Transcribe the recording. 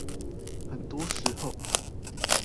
很多時候